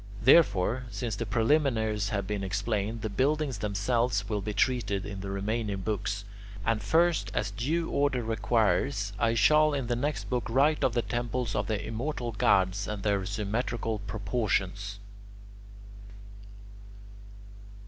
Therefore, since the preliminaries have been explained, the buildings themselves will be treated in the remaining books; and first, as due order requires, I shall in the next book write of the temples of the immortal gods and their symmetrical proportions.